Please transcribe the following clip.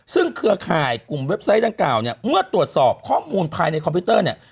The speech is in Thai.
ซึ่งเครือข่ายกลุ่มเว็บไซต์ดังกล่าวเนี่ยเมื่อตรวจสอบข้อมูลภายในคอมพิวเตอร์เนี่ย